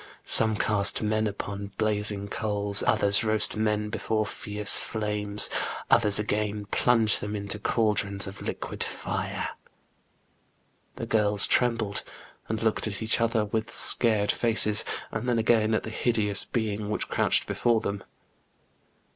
Some cast men upon blazing coals, others roast men before fierce flames, others again plunge them into caldrons of liquid fire." The girls trembled and looked at each other with scared faces, and then again at the hideous being which crouched before them.